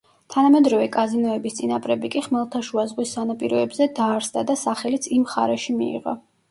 თანამედროვე კაზინოების „წინაპრები“ კი ხმელთაშუა ზღვის სანაპიროებზე დაარსდა და სახელიც იმ მხარეში მიიღო.